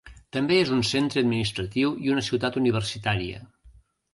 També és un centre administratiu i una ciutat universitària.